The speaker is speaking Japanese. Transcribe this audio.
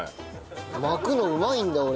巻くのうまいんだ俺。